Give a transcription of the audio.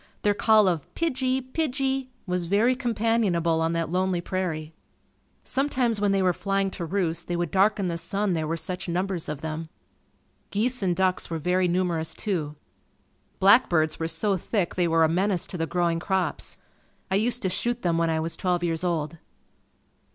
Their call of "pigie! pigie!" was very companionable on that lonely prairie. Sometimes when they were flying to roost they would darken the sun, there were such numbers of them. Geese and ducks were very numerous, too. Black birds were so thick they were a menace to the growing crops. I used to shoot them when I was twelve years old.